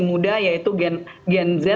muda yaitu gen z